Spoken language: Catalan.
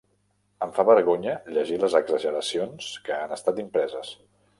Em fa vergonya llegir les exageracions que han estat impreses.